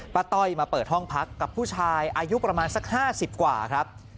ต้อยมาเปิดห้องพักกับผู้ชายอายุประมาณสัก๕๐กว่าครับ